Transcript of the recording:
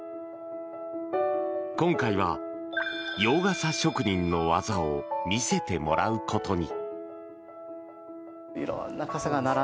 今回は、洋傘職人の技を見せてもらうことに。